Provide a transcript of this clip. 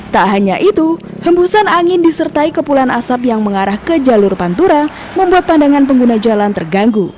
tak hanya itu hembusan angin disertai kepulan asap yang mengarah ke jalur pantura membuat pandangan pengguna jalan terganggu